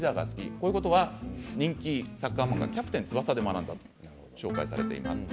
こういうことは人気サッカー漫画、「キャプテン翼」で学んだと紹介されています。